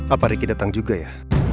apa ricky datang juga ya